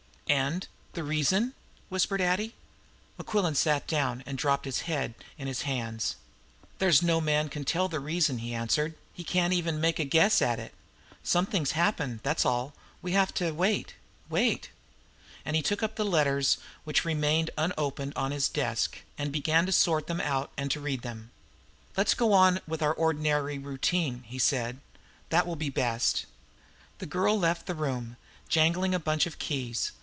"And the reason?" whispered Addie. Mequillen sat down, and dropped his head in his hands. "There's no man can tell the reason," he answered. "He can't even make a guess at it. Something's happened, that's all. We must wait wait." And he took up the letters which had remained unopened on his desk and began to sort them out and to read them. "Let us go on with our ordinary routine," he said. "That will be best." The girl left the room, jangling a bunch of keys.